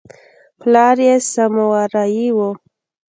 پلار یې سامورايي و.